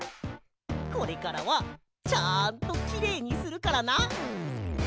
これからはちゃんとキレイにするからな。